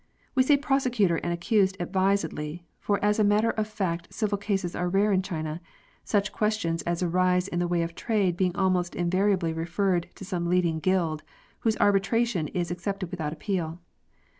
We say prosecutor and accused advisedly, for as a matter of fact civil cases are rare in China, such ques tions as arise in the way of trade being almost invari ably referred to some leading guild, whose arbitration is accepted without appeal.